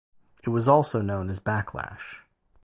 It was also known as Backlash.